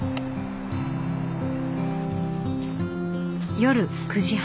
夜９時半。